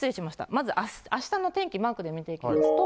まずあしたの天気マークで見ていきますと。